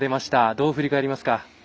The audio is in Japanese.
どう振り返りますか？